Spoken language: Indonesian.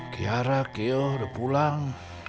kiara keo udah pulang